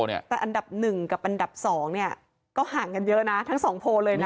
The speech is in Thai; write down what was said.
แต่อันดับ๑กับอันดับ๒เนี่ยก็ห่างกันเยอะนะทั้งสองโพลเลยนะ